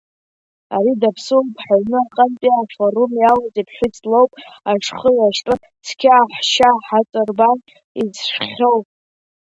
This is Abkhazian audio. Ари даԥсуоуп, ҳаҩны аҟынтәи Афорум иалаз иԥҳәыс лоуп, ашхы, ашьтәы цқьа, ҳшьа ҳаҵарбан изжәхьоу!